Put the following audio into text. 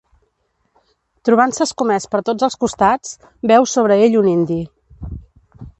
Trobant-se escomès per tots els costats, veu sobre ell un indi.